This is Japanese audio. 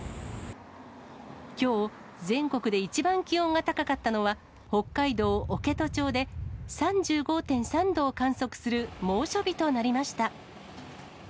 きょう、全国で一番気温が高かったのは、北海道置戸町で、３５．３度を観測する猛暑日となりました。